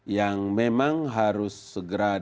yang memang harus ditulis dan yang harus ditulis